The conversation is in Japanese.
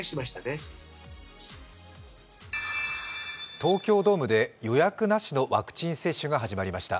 東京ドームで予約なしのワクチン接種が始まりました。